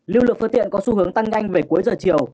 lưu lượng phương tiện có xu hướng tăng nhanh về cuối giờ chiều